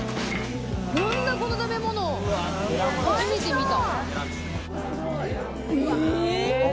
なんだこの食べ物、初めて見た。